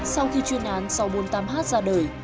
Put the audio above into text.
sau khi chuyên án sáu trăm bốn mươi tám h ra đời